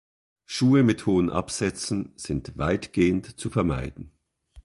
Schuhe mit hohen Absätzen sind weitgehend zu vermeiden.